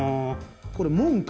これ門か。